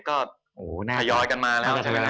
ก็ทยอยกันมาแล้วใช่ไหมครับ